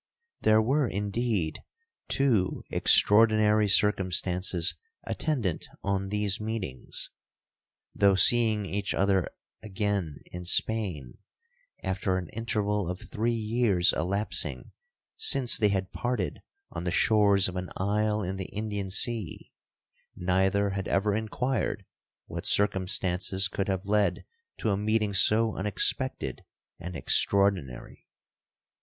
'There were, indeed, two extraordinary circumstances attendant on these meetings. Though seeing each other again in Spain, after an interval of three years elapsing since they had parted on the shores of an isle in the Indian sea, neither had ever inquired what circumstances could have led to a meeting so unexpected and extraordinary.